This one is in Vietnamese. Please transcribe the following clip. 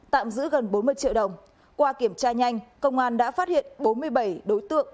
tạm giữ gần bốn mươi triệu đồng qua kiểm tra nhanh công an đã phát hiện bốn mươi bảy đối tượng